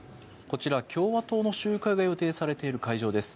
こちらは共和党の集会が予定されている会場です。